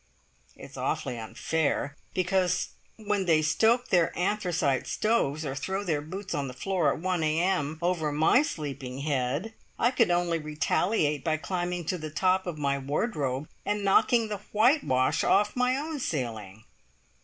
It's awfully unfair, because when they stoke their anthracite stoves, or throw their boots on the floor at 1 a.m. over my sleeping head, I could only retaliate by climbing to the top of my wardrobe, and knocking the whitewash off my own ceiling.